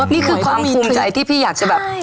นี่คือความภูมิใจที่พี่อยากจะแบบ